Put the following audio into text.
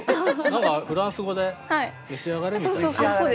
何かフランス語で「召し上がれ」みたいな。